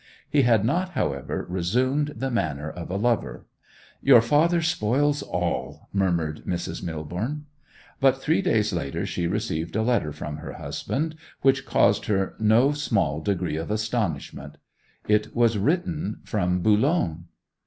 He had not, however, resumed the manner of a lover. 'Your father spoils all!' murmured Mrs. Millborne. But three days later she received a letter from her husband, which caused her no small degree of astonishment. It was written from Boulogne.